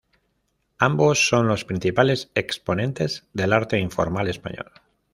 Ambos son los principales exponentes del arte informal español.